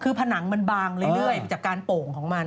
คือผนังมันบางเรื่อยจากการโป่งของมัน